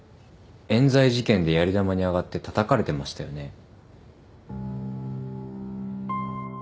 冤罪事件でやり玉に挙がってたたかれてましたよね。